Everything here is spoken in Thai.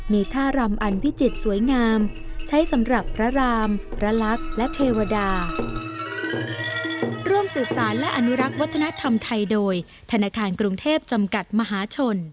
มีท่ารำอันพิจิตย์สวยงามใช้สำหรับพระรามพระลักษมณ์และเทวดา